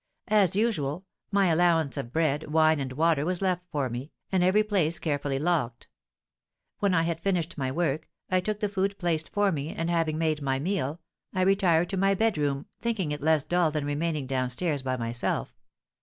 As usual, my allowance of bread, wine, and water was left for me, and every place carefully locked. When I had finished my work, I took the food placed for me, and, having made my meal, I retired to my bedroom, thinking it less dull than remaining down stairs by myself.